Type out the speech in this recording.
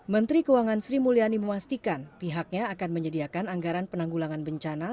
menteri keuangan sri mulyani memastikan pihaknya akan menyediakan anggaran penanggulangan bencana